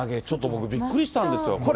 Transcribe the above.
ちょっと僕、びっくりしたんですよ。